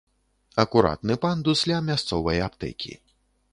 Акуратны пандус ля мясцовай аптэкі.